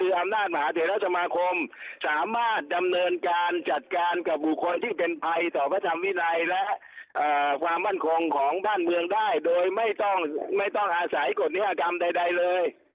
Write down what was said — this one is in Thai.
คืออำนาจมหาเทราสมาคมสามารถดำเนินการจัดการกับบุคคลที่เป็นภัยต่อพระธรรมวินัยและความมั่นคงของบ้านเมืองได้โดยไม่ต้องไม่ต้องอาศัยกฎนิยกรรมใดเลย